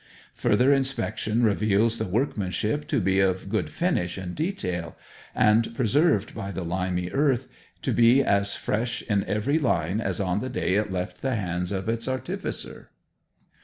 Further inspection reveals the workmanship to be of good finish and detail, and, preserved by the limy earth, to be as fresh in every line as on the day it left the hands of its artificer.